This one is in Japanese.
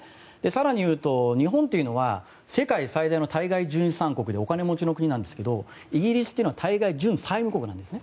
更に言うと日本というのは世界最大の対外純資産国でお金持ちの国ですがイギリスは大概、純債務国なんです。